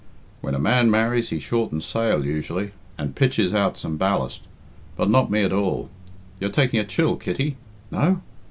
When a man marries he shortens sail usually, and pitches out some ballast, but not me at all. You're taking a chill, Kitty. No?